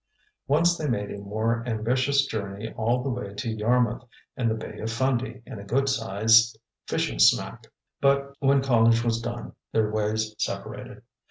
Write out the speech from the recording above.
Once they made a more ambitious journey all the way to Yarmouth and the Bay of Fundy in a good sized fishing smack. But when college was done, their ways separated.